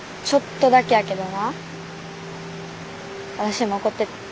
ちょっとだけやけどな私も怒っててん。